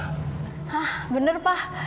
hah bener pak